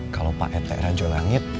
kalau pak ete rajolangit